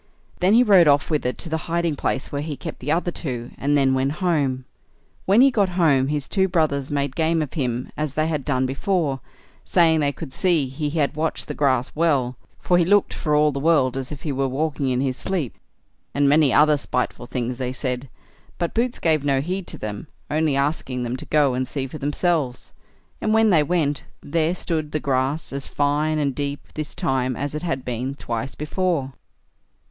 Then he rode off with it to the hiding place where he kept the other two, and then went home. When he got home, his two brothers made game of him as they had done before, saying, they could see he had watched the grass well, for he looked for all the world as if he were walking in his sleep, and many other spiteful things they said, but Boots gave no heed to them, only asking them to go and see for themselves; and when they went, there stood the grass as fine and deep this time as it had been twice before.